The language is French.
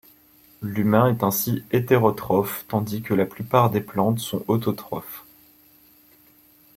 L'humain est ainsi hétérotrophe, tandis que la plupart des plantes sont autotrophes.